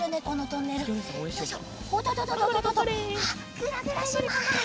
ぐらぐらします。